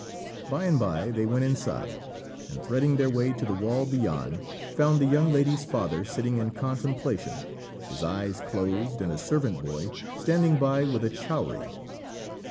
By and by, they went inside; and threading their way to the wall beyond, found the young lady's father sitting in contemplation, his eyes closed, and a servant boy standing by with a chowry.